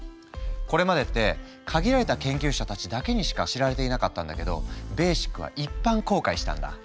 これまでって限られた研究者たちだけにしか知られていなかったんだけどベーシックは一般公開したんだ。